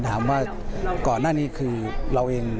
ถามว่าก่อนหน้านี้คือเราเอง